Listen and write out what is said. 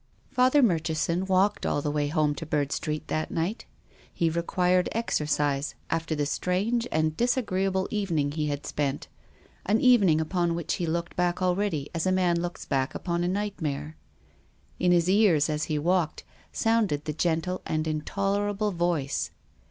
Father Murchison walked all the way home to Bird Street that iii^^ht. He required exercise after the strange and disagreeable evening he had spent, an evening upon which lie looked back al ready as a man looks back upon a nightmare. In his ears, as he walked, sounded the gentle and in tolerable voice.